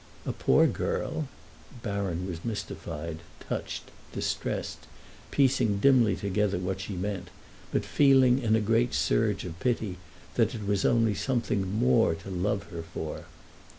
"A poor girl?" Baron was mystified, touched, distressed, piecing dimly together what she meant, but feeling, in a great surge of pity, that it was only something more to love her for.